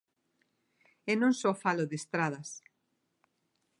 E non só falo de estradas.